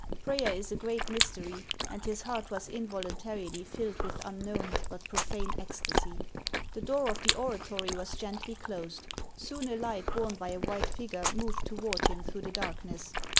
Prayer is a great mystery, and his heart was involuntarily filled with unknown but profane ecstasy. The door of the oratory was gently closed. Soon a light borne by a white figure moved toward him through the darkness.